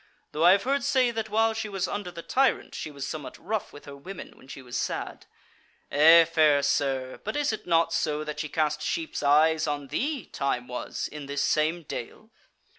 Though I have heard say that while she was under the tyrant she was somewhat rough with her women when she was sad. Eh, fair sir! but is it not so that she cast sheep's eyes on thee, time was, in this same dale?"